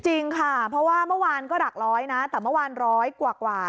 จริงค่ะเพราะว่าเมื่อวานก็หลักร้อยนะแต่เมื่อวานร้อยกว่า